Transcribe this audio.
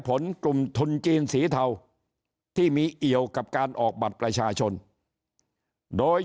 ผลกลุ่มทุนจีนสีเทาที่มีเอี่ยวกับการออกบัตรประชาชนโดย